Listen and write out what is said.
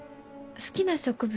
好きな植物？